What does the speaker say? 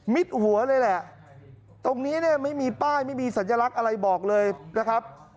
หัวเลยแหละตรงนี้เนี่ยไม่มีป้ายไม่มีสัญลักษณ์อะไรบอกเลยนะครับ